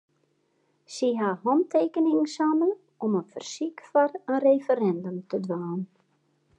Sy ha hantekeningen sammele om in fersyk foar in referindum te dwaan.